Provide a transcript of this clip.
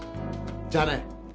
じゃあね。